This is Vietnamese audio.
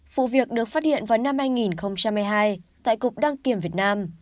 vụ việc được phát hiện vào năm hai nghìn một mươi hai tại cục đăng kiểm việt nam